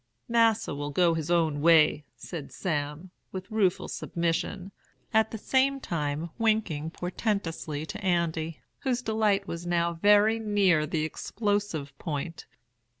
"'Mas'r will go his own way,' said Sam, with rueful submission, at the same time winking portentously to Andy, whose delight now was very near the explosive point.